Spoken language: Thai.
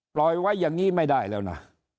ปล่อยไว้อย่างนี้ไม่ได้แล้วนะ